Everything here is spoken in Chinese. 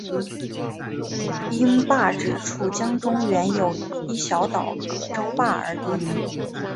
因坝址处江中原有一小岛葛洲坝而得名。